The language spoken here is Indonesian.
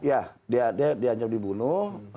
iya dia diancam dibunuh